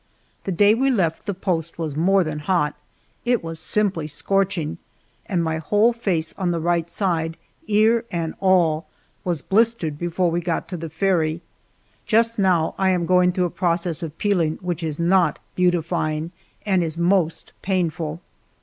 The day we left the post was more than hot it was simply scorching; and my whole face on the right side, ear and all, was blistered before we got to the ferry. Just now I am going through a process of peeling which is not beautifying, and is most painful.